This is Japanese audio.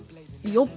よっ！